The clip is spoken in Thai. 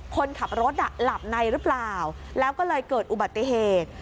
คนขับรถหลับในหรือเปล่าแล้วก็เลยเกิดอุบัติเหตุ